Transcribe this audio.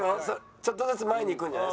ちょっとずつ前に行くんじゃない？